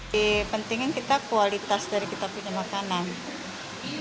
di pentingin kita kualitas dari kita punya makanan